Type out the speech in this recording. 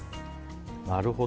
なるほど。